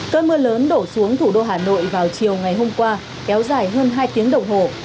cơn mưa lớn đổ xuống thủ đô hà nội vào chiều ngày hôm qua kéo dài hơn hai tiếng đồng hồ